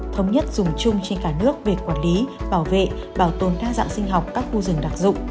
thống nhất dùng chung trên cả nước về quản lý bảo vệ bảo tồn đa dạng sinh học các khu rừng đặc dụng